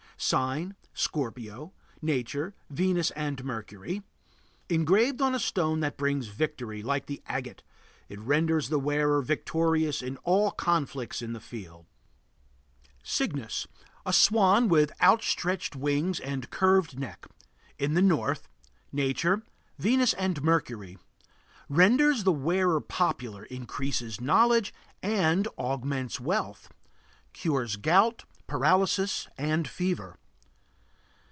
Sign: Scorpio. Nature: Venus and Mercury. Engraved on a stone that brings victory, like the agate, it renders the wearer victorious in all conflicts in the field. CYGNUS. A swan with outstretched wings and curved neck. In the North. Nature: Venus and Mercury. Renders the wearer popular, increases knowledge, and augments wealth. Cures gout, paralysis, and fever.